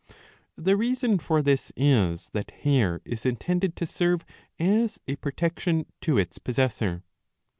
The reason for this is that hair is intended to serve as a protection to its possessor.